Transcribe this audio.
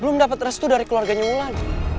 belum dapet restu dari keluarganya ulan